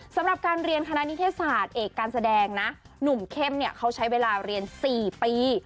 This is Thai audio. สำหรับการเรียนคณะนิเทศศาสตร์เอกการแสดงนะหนุ่มเข้มเนี่ยเขาใช้เวลาเรียน๔ปี